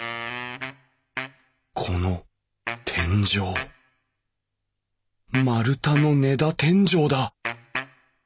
この天井丸太の根太天井だ。